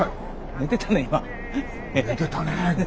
寝てたね。